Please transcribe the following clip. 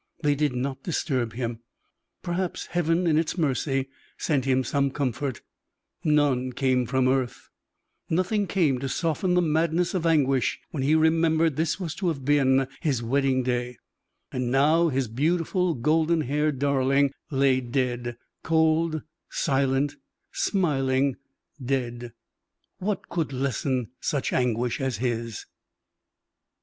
They did not disturb him: perhaps Heaven in its mercy sent him some comfort none came from earth; nothing came to soften the madness of anguish when he remembered this was to have been his wedding day, and now his beautiful, golden haired darling lay dead, cold, silent, smiling dead! What could lessen such anguish as his?